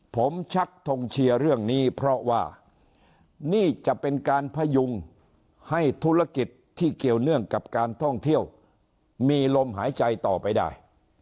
ผมชักทงเชียร์เรื่องนี้เพราะว่านี่จะเป็นการพยุงให้ธุรกิจที่เกี่ยวเนื่องกับการท่องเที่ยวมีลมหายใจต่อไปได้